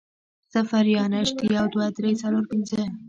صفر يا نشت, يو, دوه, درې, څلور, پنځه